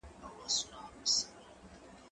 زه پرون لوبه وکړه؟